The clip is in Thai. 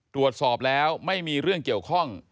ตรวจสอบแล้วไม่มีเรื่องเกี่ยวข้อง